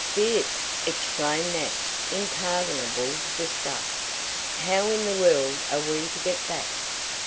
"Fierce!" exclaimed Nat in pardonable disgust. "How in the world are we to get back?"